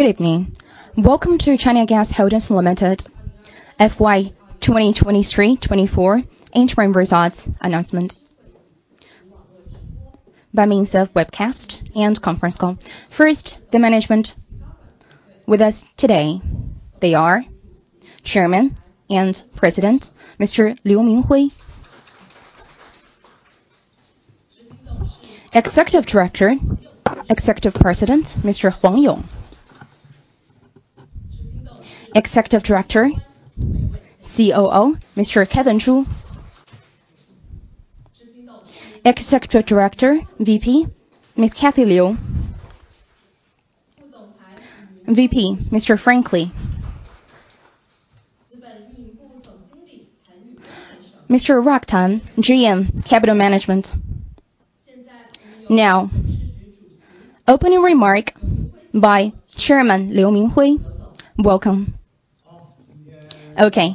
Good evening. Welcome to China Gas Holdings Limited, FY 2023-24 interim results announcement by means of webcast and conference call. First, the management with us today. They are Chairman and President, Mr. Liu Minghui. Executive Director, Executive President, Mr. Huang Yong. Executive Director, COO, Mr. Kevin Zhu. Executive Director, VP, Miss Cathy Liu. VP, Mr. Frank Li. Mr. Rock Tan, GM, Capital Management. Now, opening remark by Chairman Liu Minghui. Welcome. Okay.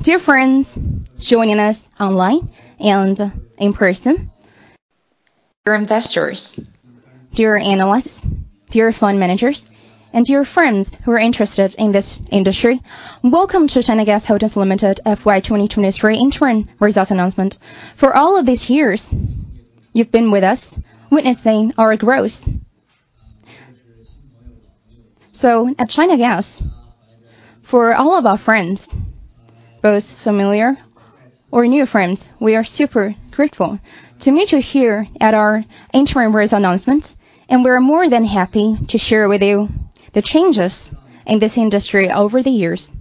Dear friends, joining us online and in person, dear investors, dear analysts, dear fund managers, and dear friends who are interested in this industry, welcome to China Gas Holdings Limited FY 2023 interim results announcement. For all of these years, you've been with us, witnessing our growth. So at China Gas, for all of our friends, both familiar or new friends, we are super grateful to meet you here at our interim results announcement, and we are more than happy to share with you the changes in this industry over the years.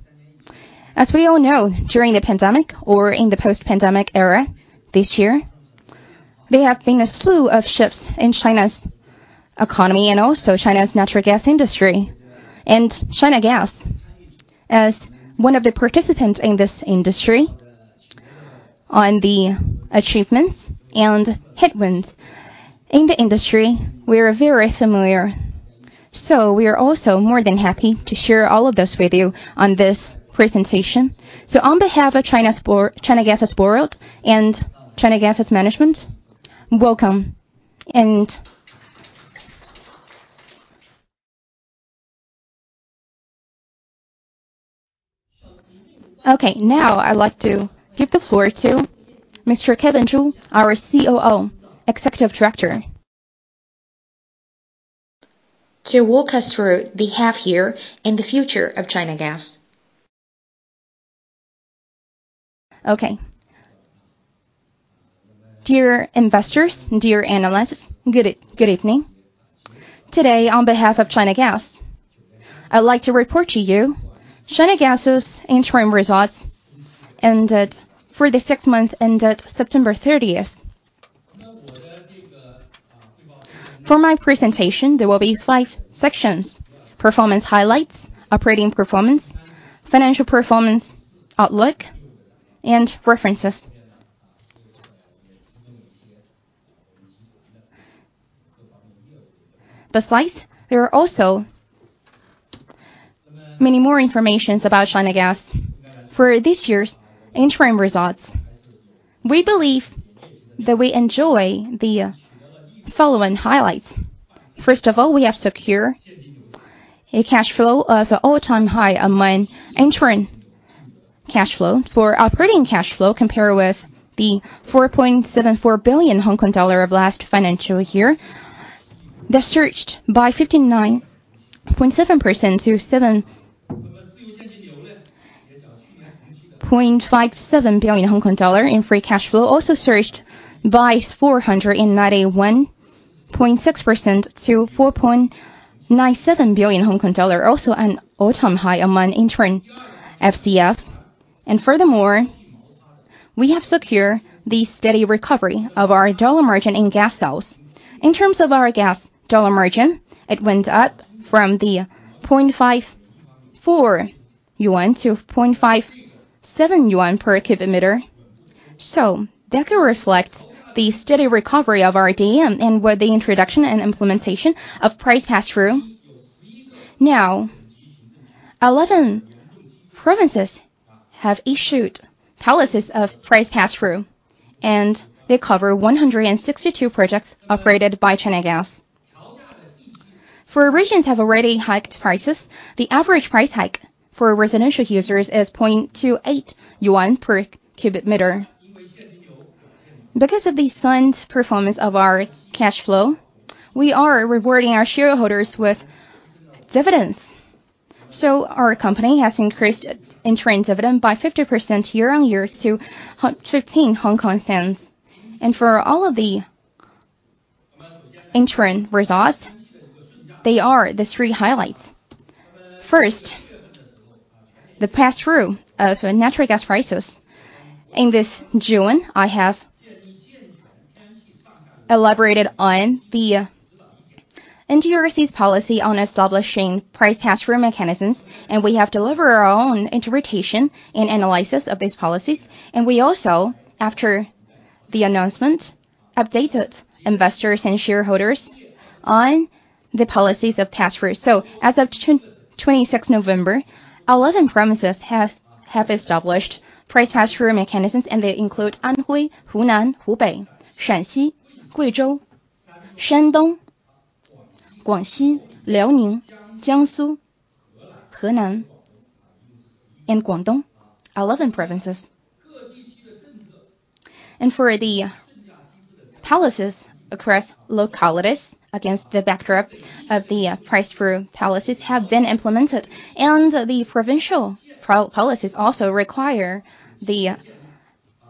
As we all know, during the pandemic or in the post-pandemic era, this year, there have been a slew of shifts in China's economy and also China's natural gas industry. China Gas, as one of the participants in this industry, on the achievements and headwinds in the industry, we are very familiar. We are also more than happy to share all of this with you on this presentation. On behalf of China's Board—China Gas's board and China Gas's management, welcome and... Okay, now, I'd like to give the floor to Mr. Kevin Zhu, our COO, Executive Director. To walk us through the half year and the future of China Gas. Okay. Dear investors, dear analysts, good, good evening. Today, on behalf of China Gas, I'd like to report to you China Gas's interim results ended for the six months ended September thirtieth. For my presentation, there will be five sections: performance highlights, operating performance, financial performance, outlook, and references. Besides, there are also many more information about China Gas. For this year's interim results, we believe that we enjoy the following highlights. First of all, we have secure a cash flow of all-time high among interim cash flow. For operating cash flow, compared with the 4.74 billion Hong Kong dollar of last financial year, that surged by 59.7% to 7.57 billion. In free cash flow, also surged by 491.6% to 4.97 billion Hong Kong dollars. Also, an all-time high among interim FCF. Furthermore, we have secure the steady recovery of our dollar margin in gas sales. In terms of our gas dollar margin, it went up from 0.54-0.57 yuan per cubic meter. So that will reflect the steady recovery of our DM and with the introduction and implementation of price pass-through. Now, 11 provinces have issued policies of price pass-through, and they cover 162 projects operated by China Gas. Four regions have already hiked prices, the average price hike for residential users is 0.28 yuan per cubic meter. Because of the sound performance of our cash flow, we are rewarding our shareholders with dividends. So our company has increased interim dividend by 50% year-on-year to 0.15 HKD. And for all of the interim results, they are the three highlights. First, the pass-through of natural gas prices. In this June, I have elaborated on the NDRC's policy on establishing price pass-through mechanisms, and we have delivered our own interpretation and analysis of these policies. And we also, after the announcement, updated investors and shareholders on the policies of pass-through. So as of twenty-sixth November, 11 provinces have established price pass-through mechanisms, and they include Anhui, Hunan, Hubei, Shaanxi, Guizhou, Shandong, Guangxi, Liaoning, Jiangsu, Henan, and Guangdong. 11 provinces. For the policies across localities, against the backdrop of the price pass-through policies that have been implemented, and the provincial policies also require the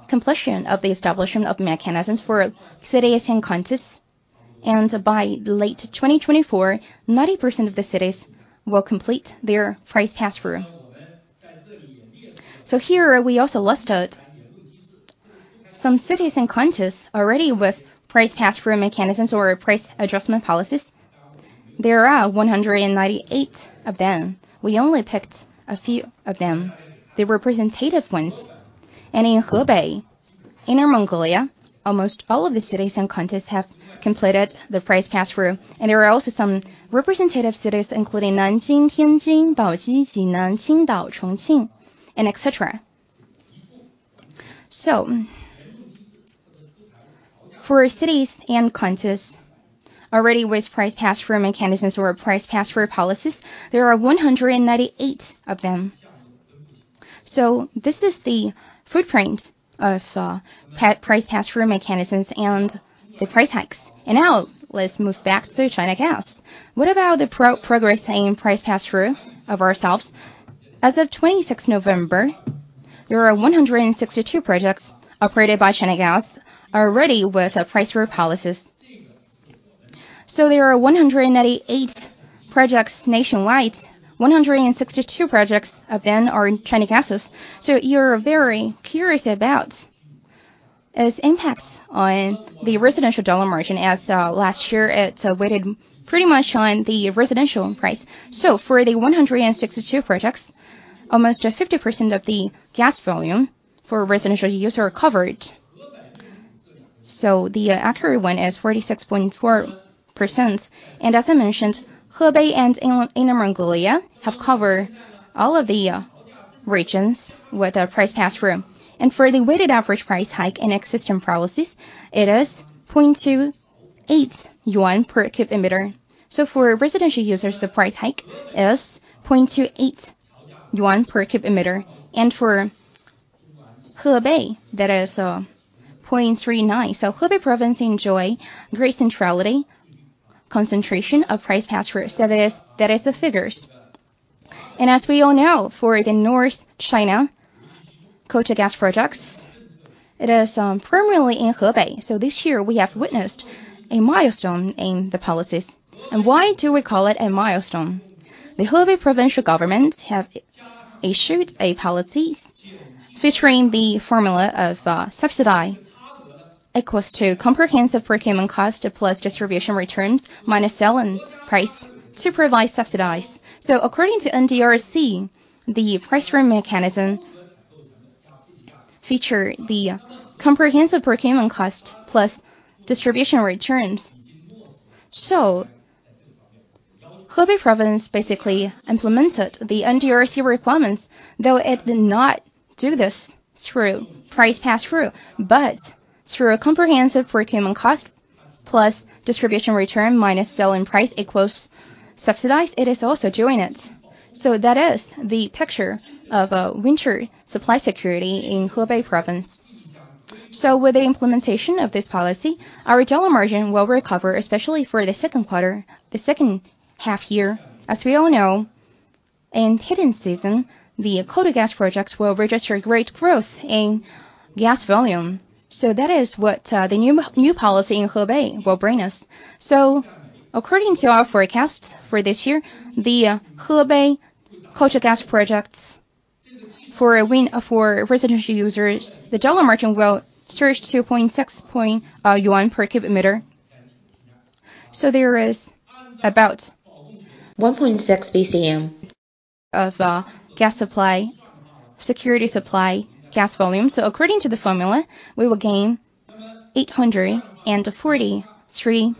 completion of the establishment of mechanisms for cities and counties. By late 2024, 90% of the cities will complete their price pass-through. Here, we also listed some cities and counties already with price pass-through mechanisms or price adjustment policies. There are 198 of them. We only picked a few of them, the representative ones. In Hebei, Inner Mongolia, almost all of the cities and counties have completed the price pass-through. There are also some representative cities, including Nanjing, Tianjin, Baoji, Jinan, Qingdao, Chongqing, and et cetera. For cities and counties already with price pass-through mechanisms or price pass-through policies, there are 198 of them. So this is the footprint of price pass-through mechanisms and the price hikes. Now, let's move back to China Gas. What about the progress in price pass-through of ourselves? As of 26 November, there are 162 projects operated by China Gas, already with a price pass-through policies. So there are 198 projects nationwide. 162 projects of them are in China Gas's. So you're very curious about its impact on the residential dollar margin, as last year, it weighed in pretty much on the residential price. So for the 162 projects, almost 50% of the gas volume for residential users are covered. So the accurate one is 46.4%. And as I mentioned, Hebei and Inner Mongolia have covered all of the regions with a price pass-through. For the weighted average price hike in existing policies, it is 0.28 yuan per cubic meter. So for residential users, the price hike is 0.28 yuan per cubic meter, and for Hebei, that is, 0.39. So Hebei Province enjoy great centrality, concentration of price pass-through. So that is, that is the figures. And as we all know, for the North China, coal-to-gas projects, it is, primarily in Hebei. So this year we have witnessed a milestone in the policies. And why do we call it a milestone? The Hebei provincial government have issued a policy featuring the formula of, subsidy equals to comprehensive procurement cost, plus distribution returns, minus selling price to provide subsidies. So according to NDRC, the price pass-through mechanism feature the comprehensive procurement cost plus distribution returns. So, Hebei Province basically implemented the NDRC requirements, though it did not do this through price pass-through, but through a comprehensive procurement cost, plus distribution return, minus selling price equals subsidies. It is also doing it. So that is the picture of winter supply security in Hebei Province. So with the implementation of this policy, our dollar margin will recover, especially for the second quarter, the second half year. As we all know, in heating season, the coal-to-gas projects will register great growth in gas volume. So that is what the new policy in Hebei will bring us. So according to our forecast for this year, the Hebei coal-to-gas projects for winter for residential users, the dollar margin will surge to 0.6 yuan per cubic meter. So there is about 1.6 BCM of gas supply, security supply, gas volume. So according to the formula, we will gain 843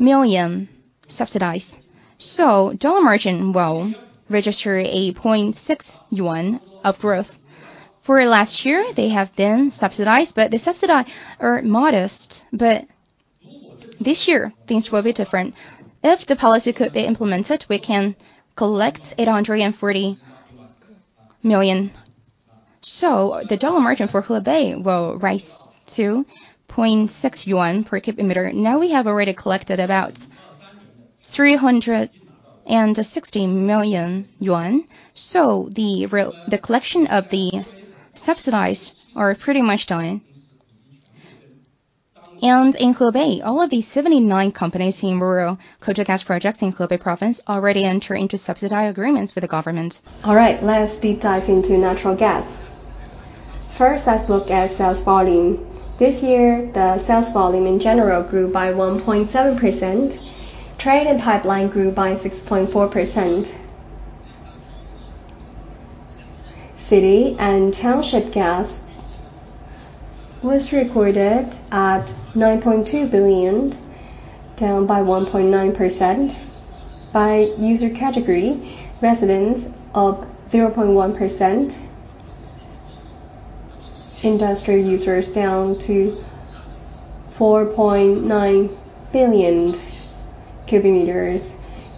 million subsidies. So dollar margin will register a 0.6 yuan of growth. For last year, they have been subsidized, but the subsidies are modest. But this year things will be different. If the policy could be implemented, we can collect 840 million. So the dollar margin for Hebei will rise to 0.6 yuan per cubic meter. Now, we have already collected about 360 million yuan, so the collection of the subsidies are pretty much done. And in Hebei, all of the 79 companies in rural coal-to-gas projects in Hebei province already enter into subsidy agreements with the government. All right, let's deep dive into natural gas. First, let's look at sales volume. This year, the sales volume in general grew by 1.7%. Trade and pipeline grew by 6.4%. City and township gas was recorded at 9.2 billion.... down by 1.9%. By user category, residential down by 0.1%, industrial users down to 4.9 billion cubic meters,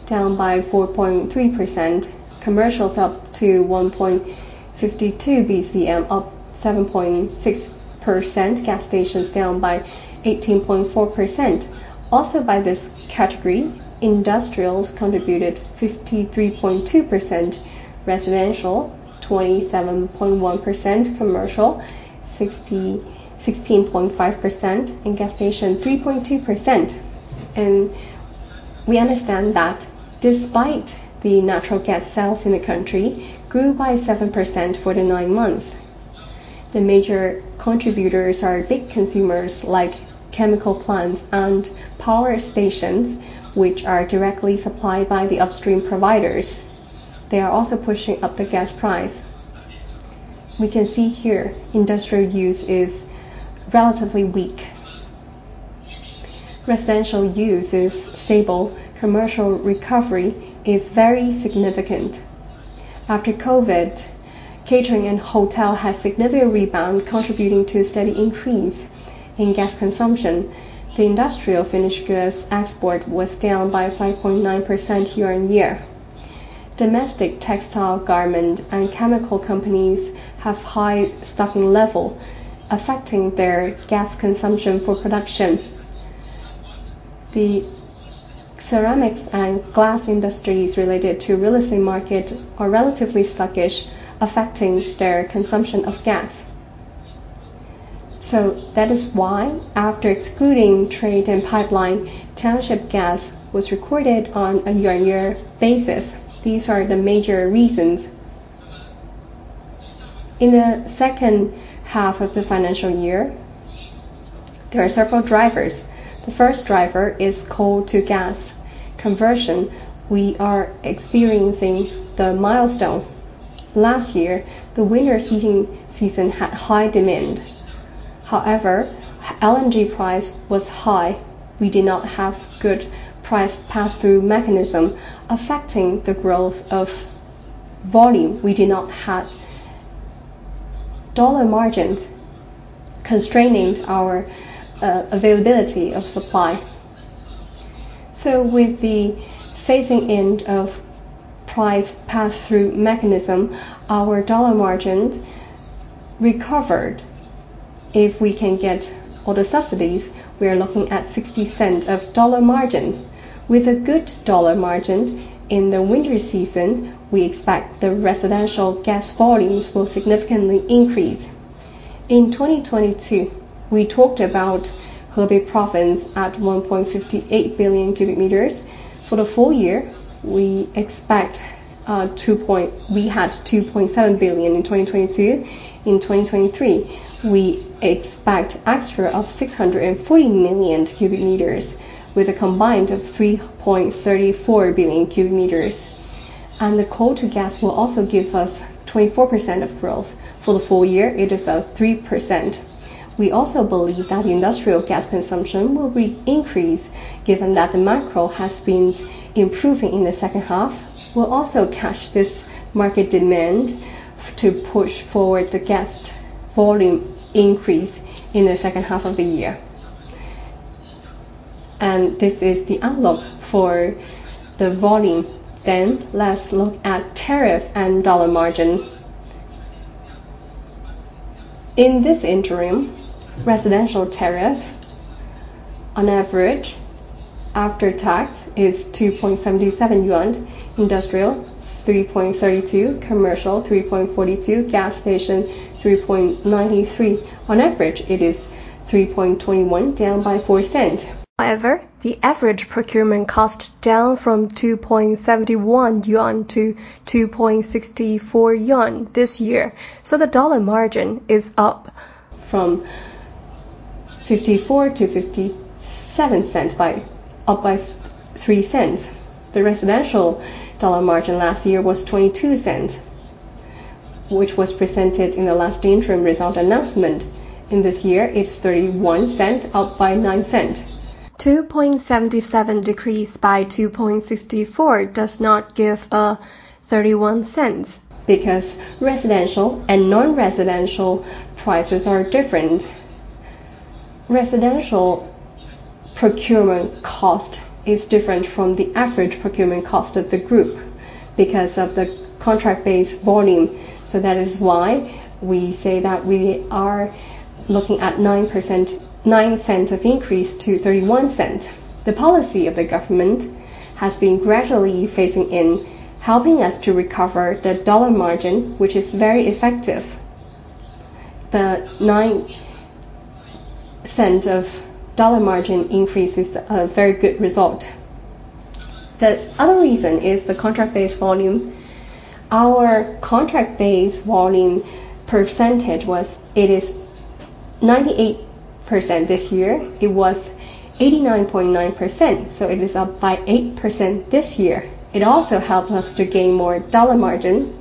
down by 4.3%. Commercial up to 1.52 BCM, up 7.6%. Gas stations down by 18.4%. Also, by this category, industrials contributed 53.2%, residential 27.1%, commercial 16.5%, and gas station 3.2%. And we understand that despite the natural gas sales in the country grew by 7% for the nine months, the major contributors are big consumers like chemical plants and power stations, which are directly supplied by the upstream providers. They are also pushing up the gas price. We can see here, industrial use is relatively weak. Residential use is stable. Commercial recovery is very significant. After COVID, catering and hotel had significant rebound, contributing to a steady increase in gas consumption. The industrial finished goods export was down by 5.9% year-on-year. Domestic textile, garment, and chemical companies have high stocking level, affecting their gas consumption for production. The ceramics and glass industries related to real estate market are relatively sluggish, affecting their consumption of gas. So that is why, after excluding trade and pipeline, township gas was recorded on a year-on-year basis. These are the major reasons. In the second half of the financial year, there are several drivers. The first driver is coal-to-gas conversion. We are experiencing the milestone. Last year, the winter heating season had high demand. However, LNG price was high. We did not have good price pass-through mechanism, affecting the growth of volume. We did not have dollar margins constraining our availability of supply. So with the phasing in of price pass-through mechanism, our dollar margin recovered. If we can get all the subsidies, we are looking at 0.60 dollar margin. With a good dollar margin in the winter season, we expect the residential gas volumes will significantly increase. In 2022, we talked about Hebei province at 1.58 billion cubic meters. For the full year, we had 2.7 billion in 2022. In 2023, we expect extra of 640 million cubic meters with a combined of 3.34 billion cubic meters. And the coal-to-gas will also give us 24% of growth. For the full year, it is 3%. We also believe that the industrial gas consumption will re-increase, given that the macro has been improving in the second half. We'll also catch this market demand to push forward the gas volume increase in the second half of the year. And this is the outlook for the volume. Then, let's look at tariff and dollar margin. In this interim, residential tariff, on average, after tax, is 2.77 yuan; industrial, 3.32; commercial, 3.42; gas station, 3.93. On average, it is 3.21, down by 0.04. However, the average procurement cost down from CNY 2.71-2.64 yuan this year. So the dollar margin is up from 0.54- 0.57, up by 0.03. The residential dollar margin last year was 0.22, which was presented in the last interim result announcement. In this year, it's 0.31, up by 0.09. 2.77 decreased by 2.64 does not give 0.31, because residential and non-residential prices are different. Residential procurement cost is different from the average procurement cost of the group because of the contract-based volume. So that is why we say that we are looking at 9%, 0.09 of increase to 0.31. The policy of the government has been gradually phasing in, helping us to recover the dollar margin, which is very effective. The 0.09 of dollar margin increase is a very good result. The other reason is the contract-based volume. Our contract-based volume percentage was... It is 98% this year. It was 89.9%, so it is up by 8% this year. It also helped us to gain more dollar margin...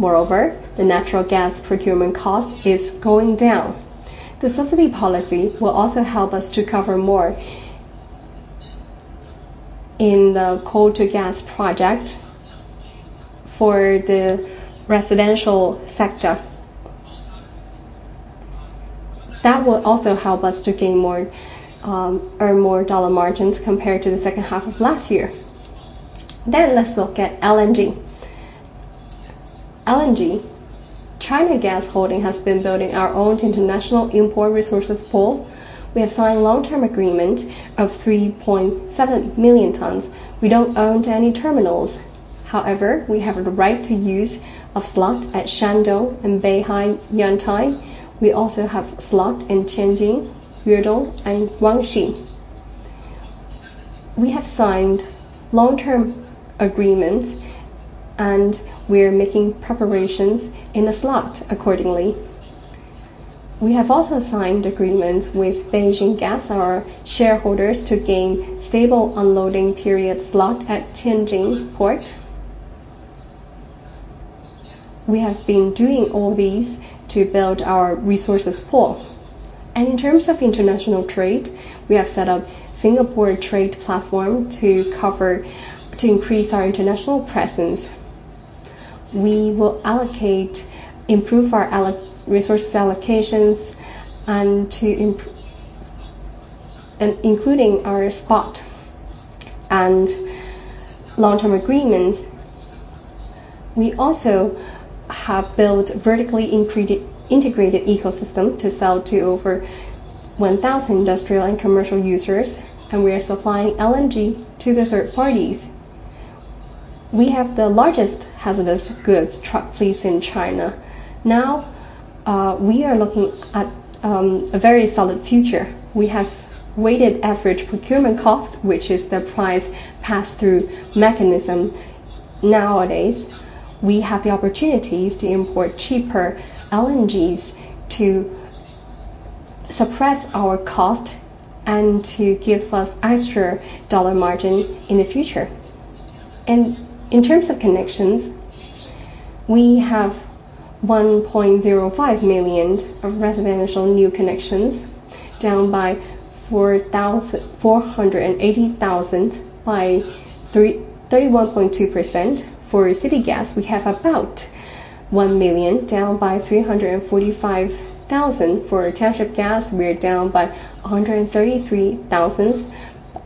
Moreover, the natural gas procurement cost is going down. The subsidy policy will also help us to cover more in the coal-to-gas project for the residential sector. That will also help us to gain more, earn more dollar margins compared to the second half of last year. Then let's look at LNG. LNG, China Gas Holdings has been building our own international import resources pool. We have signed long-term agreement of 3.7 million tons. We don't own any terminals. However, we have the right to use of slot at Shandong and Beihai, Yantai. We also have slot in Tianjin, Yuedong and Guangxi. We have signed long-term agreements, and we're making preparations in the slot accordingly. We have also signed agreements with Beijing Gas, our shareholders, to gain stable unloading period slot at Tianjin Port. We have been doing all these to build our resources pool. In terms of international trade, we have set up Singapore trade platform to increase our international presence. We will allocate, improve our resource allocations and including our spot and long-term agreements. We also have built vertically integrated ecosystem to sell to over 1,000 industrial and commercial users, and we are supplying LNG to third parties. We have the largest hazardous goods truck fleets in China. Now, we are looking at a very solid future. We have weighted average procurement costs, which is the price pass-through mechanism. Nowadays, we have the opportunities to import cheaper LNGs to suppress our cost and to give us extra dollar margin in the future. In terms of connections, we have 1.05 million residential new connections, down by 480,000 by 31.2%. For city gas, we have about 1 million, down by 345,000. For township gas, we are down by 133,000,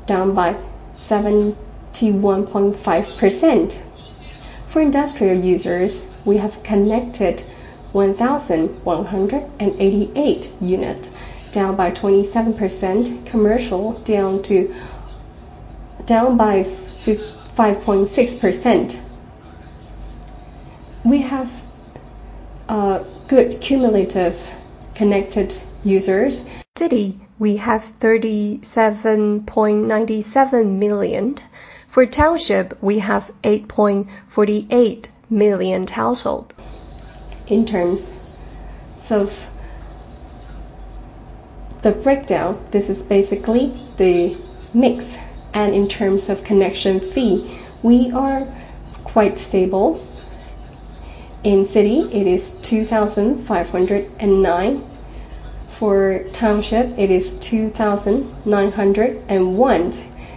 down by 71.5%. For industrial users, we have connected 1,188 unit, down by 27%. Commercial, down by 5.6%. We have good cumulative connected users. City, we have 37.97 million. For township, we have 8.48 million household. In terms of the breakdown, this is basically the mix, and in terms of connection fee, we are quite stable. In city, it is 2,509. For township, it is 2,901.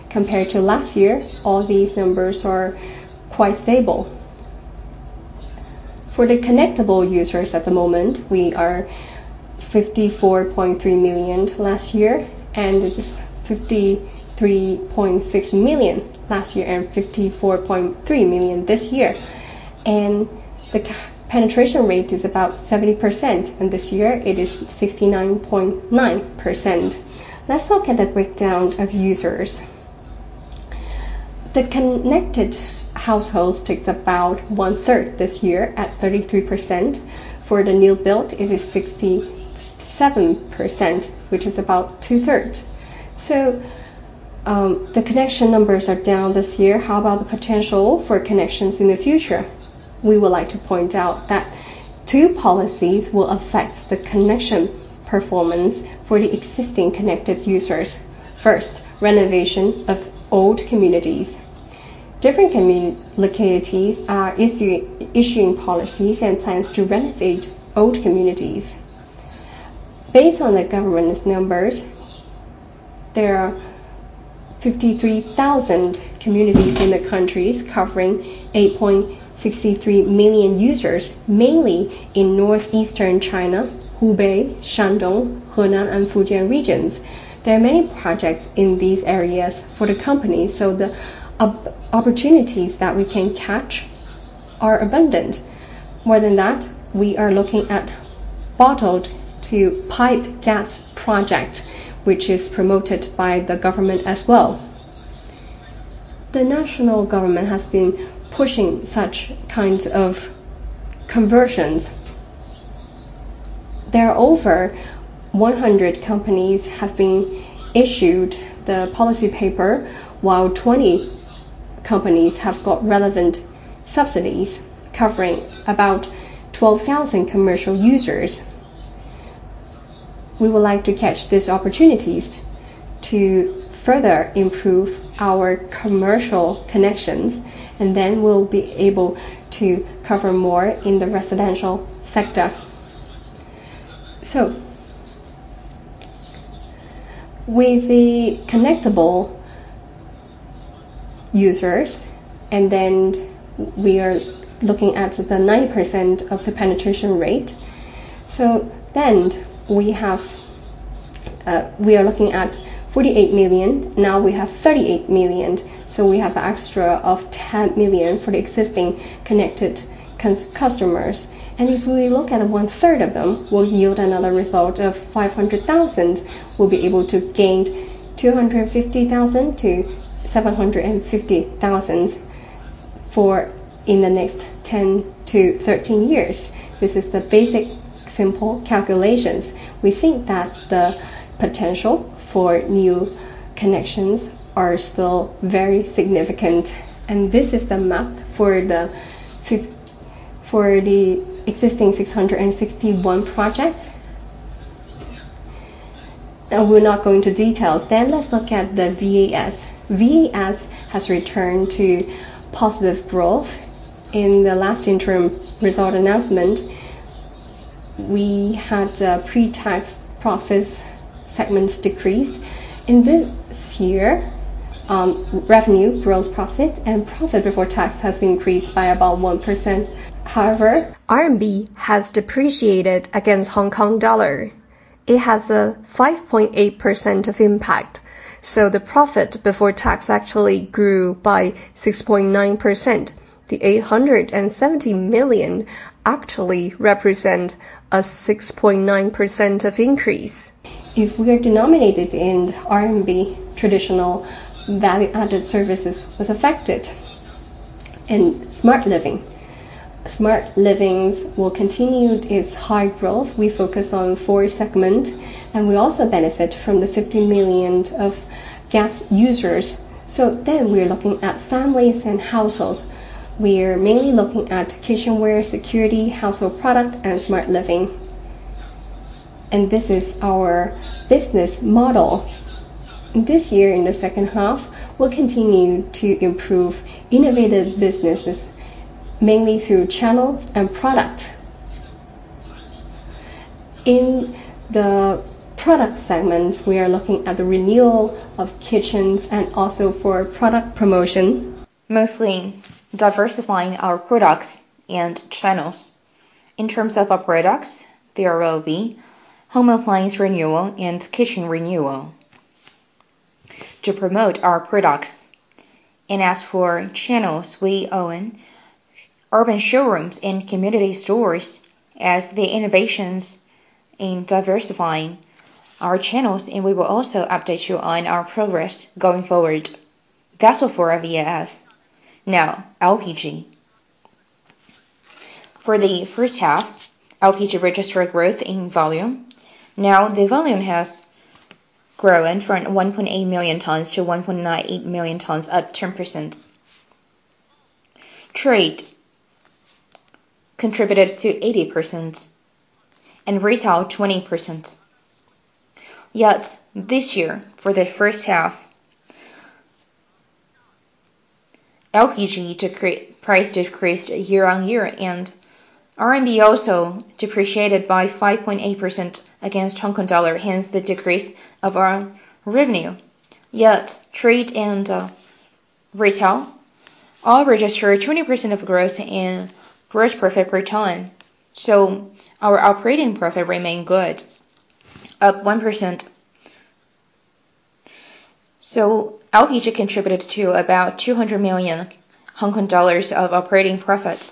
Compared to last year, all these numbers are quite stable. For the connectable users at the moment, we are 54.3 million last year, and it is 53.6 million last year and 54.3 million this year. And the penetration rate is about 70%, and this year it is 69.9%. Let's look at the breakdown of users. The connected households takes about one-third this year, at 33%. For the new built, it is 67%, which is about two-thirds. So, the connection numbers are down this year. How about the potential for connections in the future? We would like to point out that two policies will affect the connection performance for the existing connected users. First, renovation of old communities. Different communities and localities are issuing policies and plans to renovate old communities. Based on the government's numbers, there are 53,000 communities in the country, covering 8.63 million users, mainly in northeastern China, Hubei, Shandong, Henan, and Fujian regions. There are many projects in these areas for the company, so the opportunities that we can catch are abundant. More than that, we are looking at bottled to pipe gas project, which is promoted by the government as well. The national government has been pushing such kinds of conversions. Over 100 companies have been issued the policy paper, while 20 companies have got relevant subsidies covering about 12,000 commercial users.... We would like to catch these opportunities to further improve our commercial connections, and then we'll be able to cover more in the residential sector. So with the connectable users, and then we are looking at the 90% penetration rate. So then we have, we are looking at 48 million, now we have 38 million, so we have extra of 10 million for the existing connected customers. And if we look at one-third of them, will yield another result of 500,000, we'll be able to gain 250,000-750,000 for in the next 10-13 years. This is the basic simple calculations. We think that the potential for new connections are still very significant, and this is the map for the existing 661 projects. We'll not go into details. Then let's look at the VAS. VAS has returned to positive growth. In the last interim result announcement, we had pre-tax profits segments decreased. In this year, revenue, gross profit, and profit before tax has increased by about 1%. However, RMB has depreciated against Hong Kong dollar. It has a 5.8% of impact, so the profit before tax actually grew by 6.9%. The 870 million actually represent a 6.9% of increase. If we are denominated in RMB, traditional value-added services was affected. In Smart Living. Smart Living will continue its high growth. We focus on four segments, and we also benefit from the 50 million of gas users. So then we're looking at families and households. We're mainly looking at kitchenware, security, household product, and Smart Living. This is our business model. This year, in the second half, we'll continue to improve innovative businesses, mainly through channels and product. In the product segments, we are looking at the renewal of kitchens and also for product promotion, mostly diversifying our products and channels. In terms of our products, there will be home appliance renewal and kitchen renewal to promote our products. As for channels, we own urban showrooms and community stores as the innovations in diversifying our channels, and we will also update you on our progress going forward. That's all for VAS. Now, LPG. For the first half, LPG registered growth in volume. Now, the volume has grown from 1.8 million tons to 1.98 million tons, at 10%. Trade contributed to 80% and retail, 20%. Yet this year, for the first half, LPG price decreased year-on-year, and RMB also depreciated by 5.8% against Hong Kong dollar, hence the decrease of our revenue. Yet trade and retail all registered 20% of growth and gross profit per ton, so our operating profit remained good, up 1%. So LPG contributed to about 200 million Hong Kong dollars of operating profit.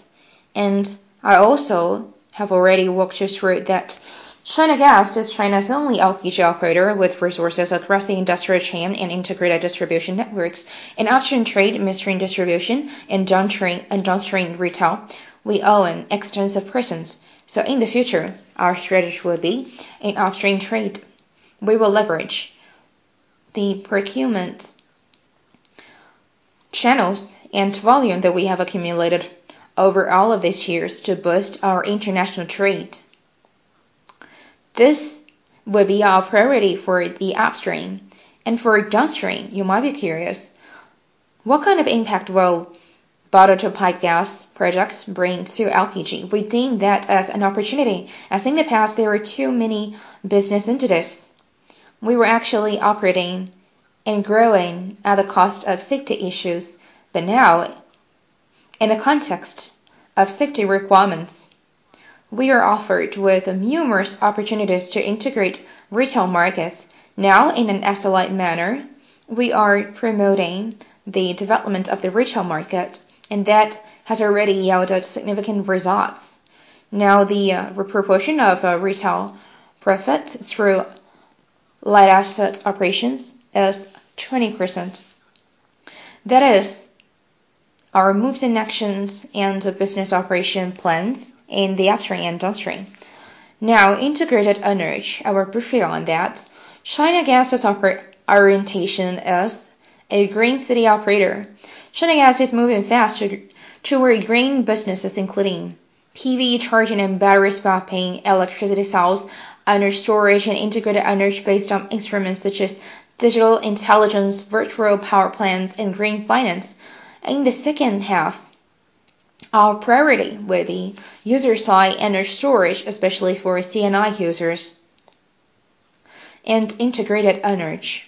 And I also have already walked you through that China Gas is China's only LPG operator with resources across the industrial chain and integrated distribution networks. In upstream trade, midstream distribution, and downstream, and downstream retail, we own extensive presence. So in the future, our strategy will be in upstream trade. We will leverage the procurement channels and volume that we have accumulated over all of these years to boost our international trade. This will be our priority for the upstream. For downstream, you might be curious, what kind of impact will bottle to pipe gas products bring to LPG? We deem that as an opportunity, as in the past there were too many business entities. We were actually operating and growing at the cost of safety issues. But now, in the context of safety requirements, we are offered with numerous opportunities to integrate retail markets. Now, in an asset-light manner, we are promoting the development of the retail market, and that has already yielded significant results. Now, the proportion of retail profit through light asset operations is 20%. That is our moves and actions and the business operation plans in the upstream and downstream. Now, integrated energy, I will brief you on that... China Gas's offer orientation is a Green City Operator. China Gas is moving fast toward green businesses, including PV charging and battery swapping, electricity cells, energy storage, and integrated energy based on instruments such as digital intelligence, virtual power plants, and green finance. In the second half, our priority will be user-side energy storage, especially for C&I users and integrated energy.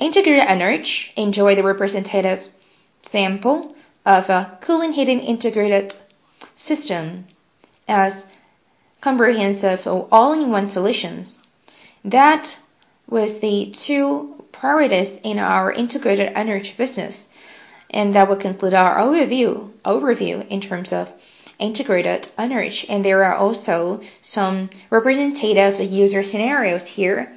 Integrated energy enjoy the representative sample of a cooling, heating integrated system as comprehensive or all-in-one solutions. That was the two priorities in our integrated energy business, and that will conclude our overview, overview in terms of integrated energy. There are also some representative user scenarios here,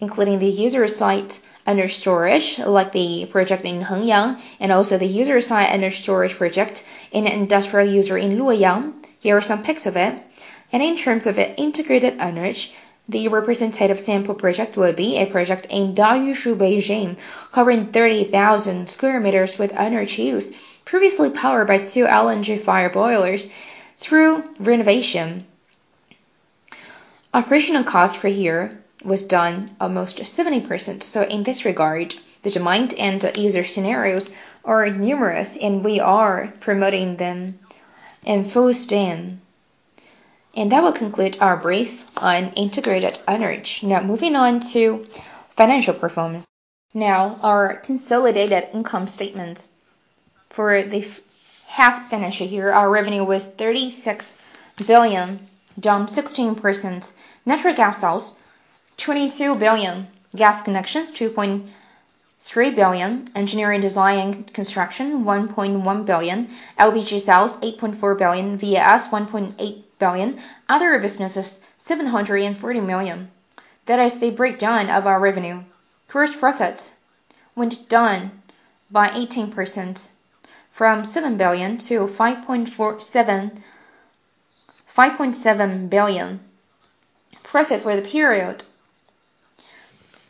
including the user-side energy storage, like the project in Hengyang, and also the user-side energy storage project in an industrial user in Luoyang. Here are some pics of it. In terms of the integrated energy, the representative sample project will be a project in Dayushu, Beijing, covering 30,000 sq m with energy use, previously powered by two LNG fire boilers through renovation. Operational cost per year was down almost 70%, so in this regard, the demand and user scenarios are numerous, and we are promoting them in full steam. That will conclude our brief on integrated energy. Now, moving on to financial performance. Our consolidated income statement for the first half financial year, our revenue was HKD 36 billion, down 16%. Natural gas sales, HKD 22 billion. Gas connections, HKD 2.3 billion. Engineering, design, and construction, HKD 1.1 billion. LPG sales, HKD 8.4 billion, VAS, HKD 1.8 billion. Other businesses, HKD 740 million. That is the breakdown of our revenue. Gross profit went down by 18% from 7 billion to 5.47 billion-5.7 billion. Profit for the period,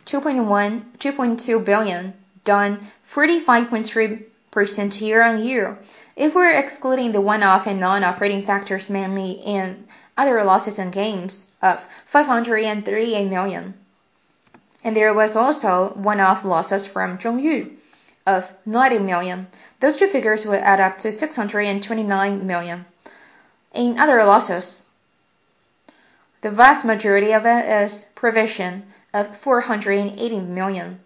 2.1 billion-2.2 billion, down 35.3% year-on-year. If we're excluding the one-off and non-operating factors, mainly in other losses and gains of 538 million, and there was also one-off losses from Zhongyu of 90 million. Those two figures would add up to 629 million. In other losses, the vast majority of it is provision of HKD 480 million.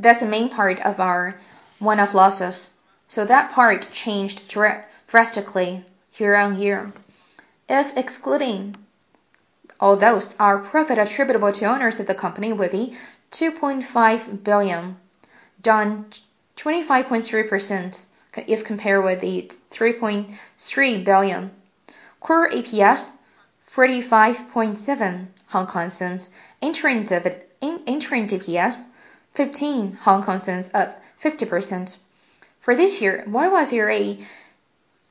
That's the main part of our one-off losses, so that part changed drastically year-on-year. If excluding all those, our profit attributable to owners of the company would be 2.5 billion, down 25.3% if compared with the 3.3 billion. Core EPS, 0.457. Interim DPS, 0.15, up 50%. For this year, why was there a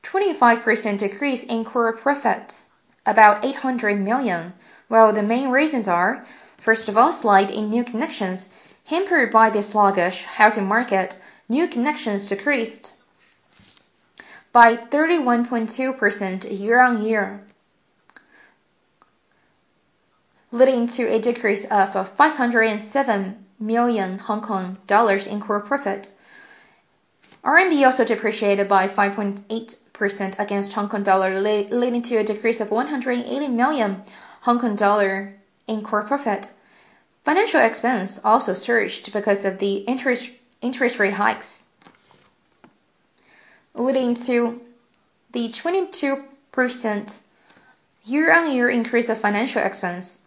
25% decrease in core profit, about 800 million? Well, the main reasons are, first of all, slide in new connections. Hampered by this sluggish housing market, new connections decreased by 31.2% year-on-year, leading to a decrease of 507 million Hong Kong dollars in core profit. RMB also depreciated by 5.8% against Hong Kong dollar, leading to a decrease of 180 million Hong Kong dollar in core profit. Financial expense also surged because of the interest rate hikes, leading to the 22% year-on-year increase of financial expense.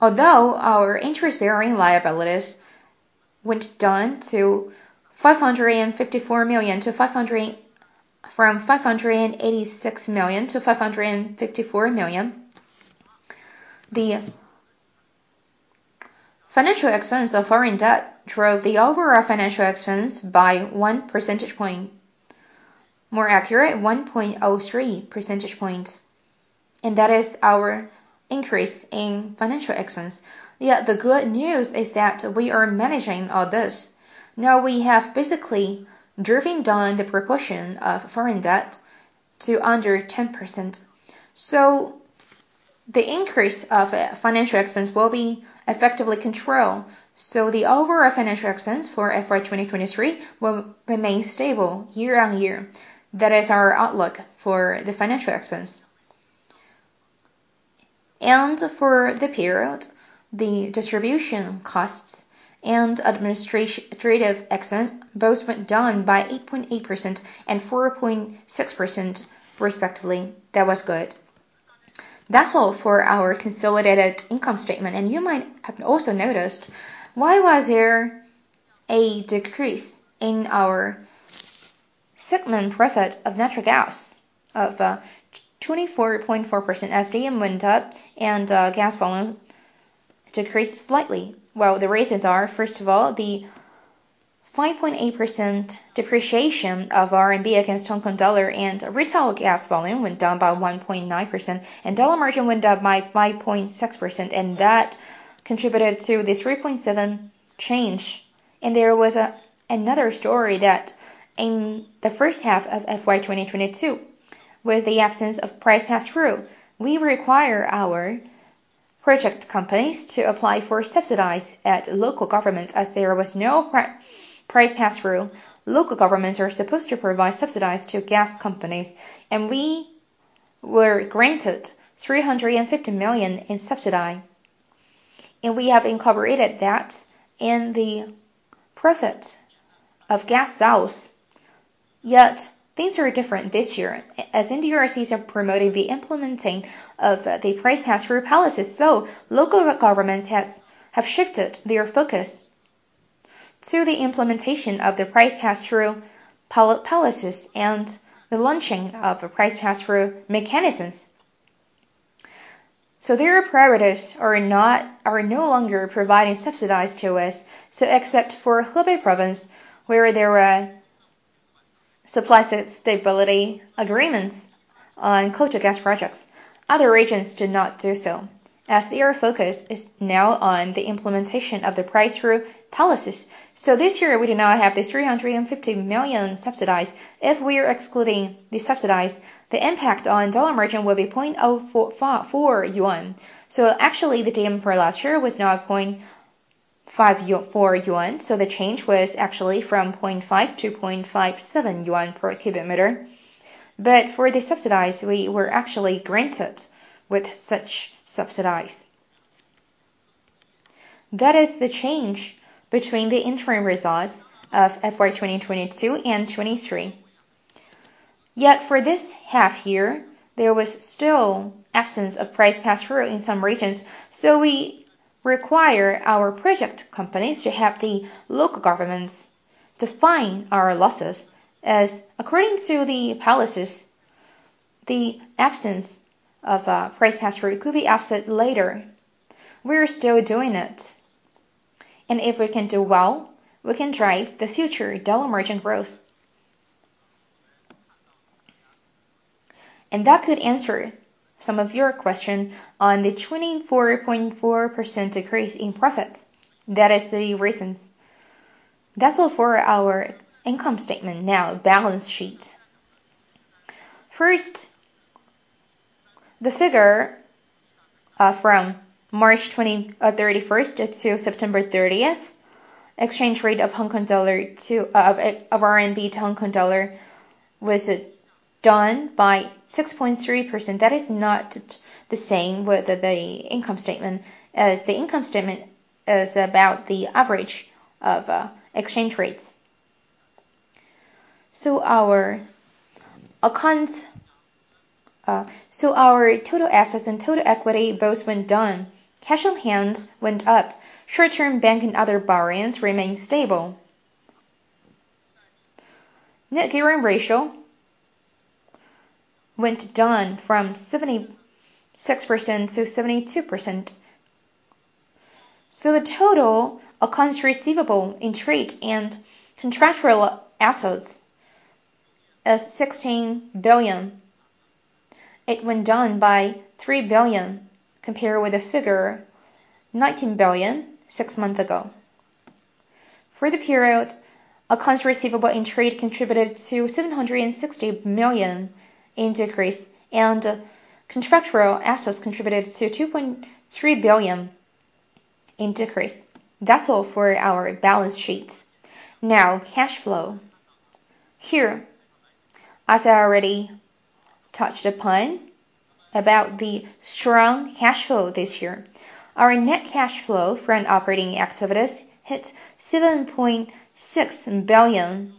Although our interest-bearing liabilities went down to 554 million, to 500... From 586 million-554 million, the financial expense of foreign debt drove the overall financial expense by one percentage point. More accurate, 1.03 percentage points, and that is our increase in financial expense. Yet the good news is that we are managing all this. Now, we have basically driven down the proportion of foreign debt to under 10%. So the increase of financial expense will be effectively controlled, so the overall financial expense for FY 2023 will remain stable year-on-year. That is our outlook for the financial expense. And for the period, the distribution costs and administrative expense both went down by 8.8% and 4.6%, respectively. That was good. That's all for our consolidated income statement. You might have also noticed why there was a decrease in our segment profit of natural gas of 24.4% as DM went up and gas volume decreased slightly? Well, the reasons are, first of all, the 5.8% depreciation of RMB against Hong Kong dollar, and retail gas volume went down by 1.9%, and dollar margin went up by 5.6%, and that contributed to the 3.7 change. And there was another story that in the first half of FY 2022, with the absence of price pass-through, we require our project companies to apply for subsidies at local governments, as there was no price pass-through. Local governments are supposed to provide subsidies to gas companies, and we were granted 350 million in subsidy, and we have incorporated that in the profit of gas sales. Yet things are different this year, as NDRCs are promoting the implementing of the price pass-through policies. So local governments have shifted their focus to the implementation of the price pass-through policies and the launching of a price pass-through mechanisms. So their priorities are no longer providing subsidies to us. So except for Hubei province, where there are supply stability agreements on coal-to-gas projects, other regions do not do so, as their focus is now on the implementation of the price pass-through policies. So this year we do not have the 350 million subsidies. If we are excluding the subsidies, the impact on dollar margin will be 0.04, 0.4 yuan. So actually, the DM for last year was 0.54 yuan. So the change was actually from 0.5-0.57 yuan per cubic meter. But for the subsidies, we were actually granted with such subsidies. That is the change between the interim results of FY 2022 and 2023. Yet for this half year, there was still absence of price pass-through in some regions, so we require our project companies to help the local governments define our losses, as according to the policies, the absence of a price pass-through could be absent later. We are still doing it, and if we can do well, we can drive the future dollar margin growth. That could answer some of your question on the 24.4% decrease in profit. That is the reasons. That's all for our income statement. Now, balance sheet. First, the figure from March 31 to September 30, exchange rate of Hong Kong dollar to of RMB to Hong Kong dollar was down by 6.3%. That is not the same with the income statement, as the income statement is about the average of exchange rates. So our total assets and total equity both went down. Cash on hand went up. Short-term bank and other borrowings remained stable. Net gearing ratio went down from 76% to 72%. So the total accounts receivable in trade and contractual assets is 16 billion. It went down by 3 billion, compared with the figure 19 billion six months ago. For the period, accounts receivable in trade contributed to 760 million in decrease, and contractual assets contributed to 2.3 billion in decrease. That's all for our balance sheet. Now, cash flow. Here, as I already touched upon, about the strong cash flow this year, our net cash flow from operating activities hit 7.6 billion,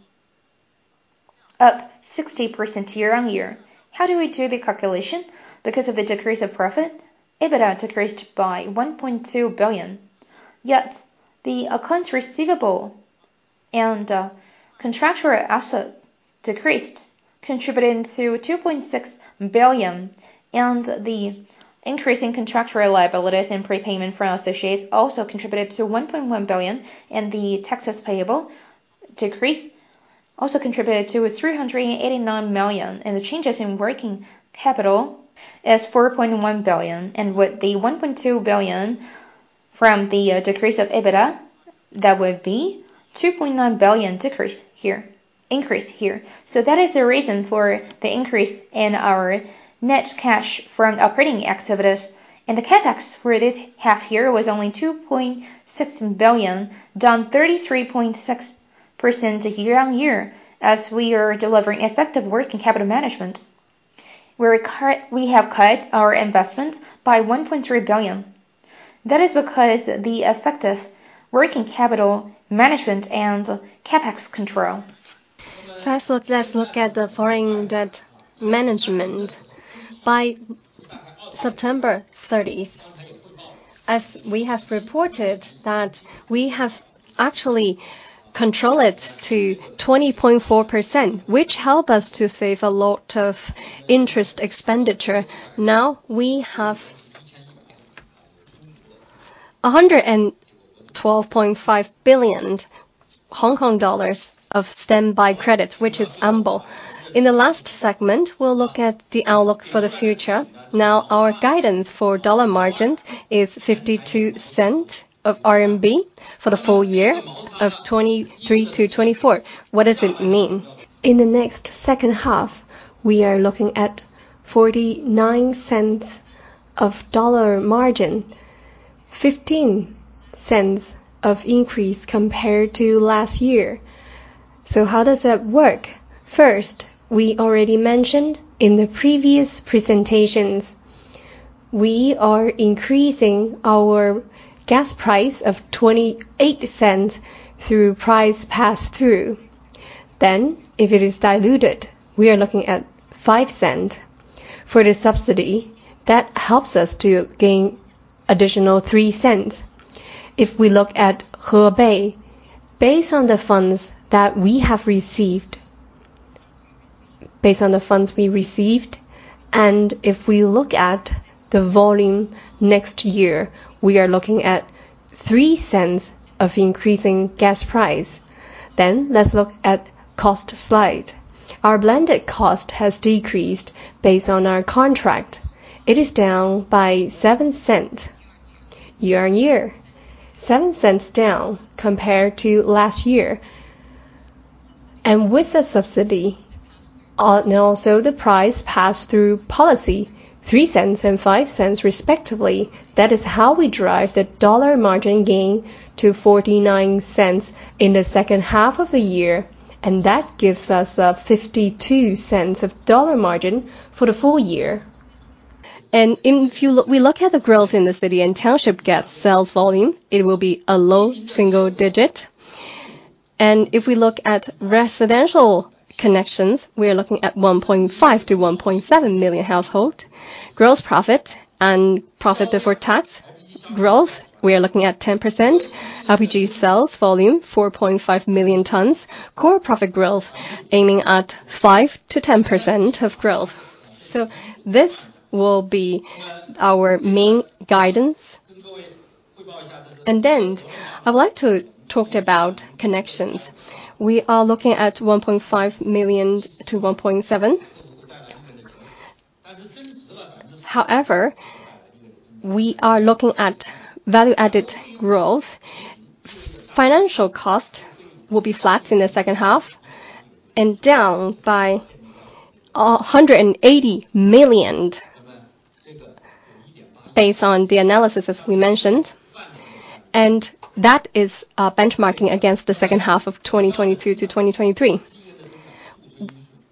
up 60% year-on-year. How do we do the calculation? Because of the decrease of profit, EBITDA decreased by 1.2 billion, yet the accounts receivable and contractual asset decreased, contributing to 2.6 billion, and the increase in contractual liabilities and prepayment from our associates also contributed to 1.1 billion, and the taxes payable decreased, also contributed to 389 million, and the changes in working capital is 4.1 billion. And with the 1.2 billion from the decrease of EBITDA, that would be 2.9 billion decrease here - increase here. So that is the reason for the increase in our net cash from operating activities. And the CapEx for this half year was only 2.6 billion, down 33.6% year-on-year. As we are delivering effective working capital management, we have cut our investment by 1.3 billion. That is because the effective working capital management and CapEx control. First, let's look at the foreign debt management. By September thirtieth, as we have reported, that we have actually control it to 20.4%, which help us to save a lot of interest expenditure. Now, we have-... 112.5 billion Hong Kong dollars of stand-by credits, which is humble. In the last segment, we'll look at the outlook for the future. Now, our guidance for dollar margins is 0.52 for the full year of 2023-2024. What does it mean? In the next second half, we are looking at 0.49 dollar margin, 0.15 increase compared to last year. So how does that work? First, we already mentioned in the previous presentations, we are increasing our gas price of 0.28 through price pass-through. Then, if it is diluted, we are looking at 0.05 for the subsidy. That helps us to gain additional 0.03. If we look at Hebei, based on the funds that we have received... Based on the funds we received, and if we look at the volume next year, we are looking at 0.03 of increasing gas price. Then let's look at cost side. Our blended cost has decreased based on our contract. It is down by 0.07 year-on-year. 0.07 down compared to last year. And with the subsidy, and also the price pass-through policy, CNY 0.03 and CNY 0.05 respectively. That is how we drive the dollar margin gain to 0.49 in the second half of the year, and that gives us a 0.52 of dollar margin for the full year. And we look at the growth in the city and township gas sales volume, it will be a low single digit. And if we look at residential connections, we are looking at 1.5-1.7 million household. Gross profit and profit before tax growth, we are looking at 10%. LPG sales volume, 4.5 million tons. Core profit growth, aiming at 5%-10% of growth. So this will be our main guidance. And then I would like to talk about connections. We are looking at 1.5 million-1.7 million. However, we are looking at value-added growth. Financial cost will be flat in the second half and down by 180 million, based on the analysis as we mentioned, and that is, benchmarking against the second half of 2022-2023.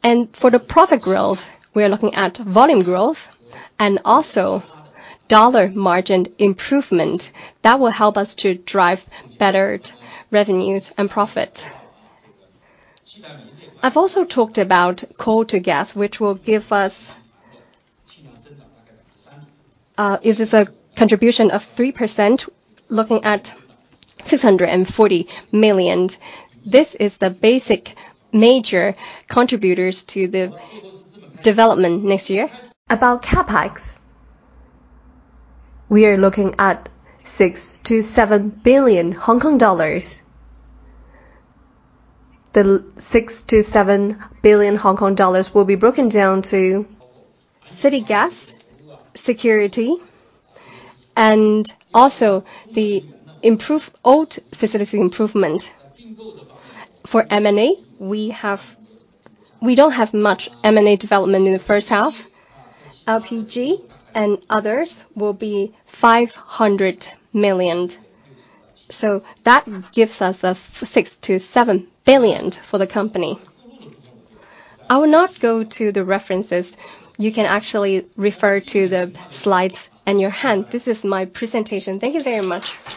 And for the profit growth, we are looking at volume growth and also dollar margin improvement. That will help us to drive better revenues and profits. I've also talked about coal-to-gas, which will give us, it is a contribution of 3%, looking at 640 million. This is the basic major contributors to the development next year. About CapEx, we are looking at 6 billion-7 billion Hong Kong dollars. The 6 billion-7 billion Hong Kong dollars will be broken down to city gas, security, and also the old facilities improvement. For M&A, we have we don't have much M&A development in the first half. LPG and others will be 500 million. So that gives us a 6 billion-7 billion for the company. I will not go to the references. You can actually refer to the slides in your hand. This is my presentation. Thank you very much.